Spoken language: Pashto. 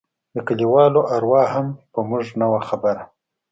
د کليوالو اروا هم په موږ نه وه خبره.